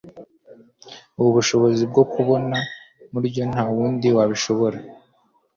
ubu bushobozi bwo kubona muburyo ntawundi wabishobora